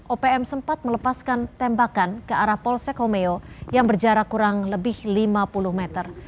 opm sempat melepaskan tembakan ke arah polsek komeo yang berjarak kurang lebih lima puluh meter